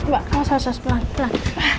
mas asal asal pelan pelan